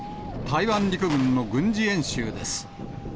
台湾陸軍の軍事演習です。